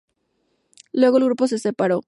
Luego el grupo se separó.